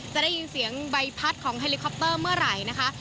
จะได้ยินเสียงใบพัดของเฮลิคอปเตอร์เมื่อไหร่นะคะ